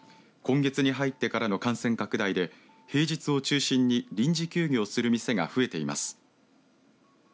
今月に入ってからの感染拡大で平日を中心に臨時休業する店が増えています。